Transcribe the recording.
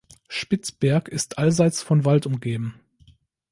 Spitzberg ist allseits von Wald umgeben.